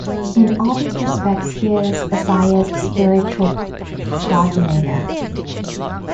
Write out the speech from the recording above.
In all these respects he is Isaiah's spiritual progenitor.